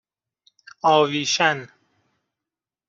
آویشن